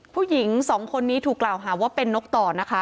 ผู้หญิงสองคนนี้ถูกกล่าวหาว่าเป็นนกต่อนะคะ